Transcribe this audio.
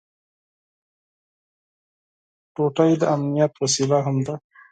رسۍ د امنیت وسیله هم ده.